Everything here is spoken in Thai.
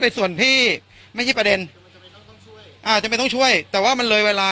ส่วนที่ไม่ใช่ประเด็นอาจจะไม่ต้องช่วยแต่ว่ามันเลยเวลา